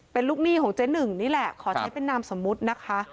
เป็นลูกหนี้ของเจ๊หนึ่งนี่แหละขอใช้เป็นนามสมมุตินะคะ